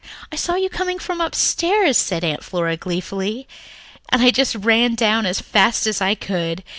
"I saw you coming from upstairs," said Aunt Flora gleefully, "and I just ran down as fast as I could.